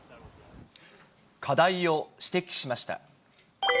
課題を指摘しました。